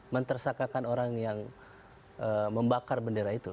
mentersakakan orang yang membakar bendera itu